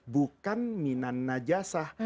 bukan minan najasah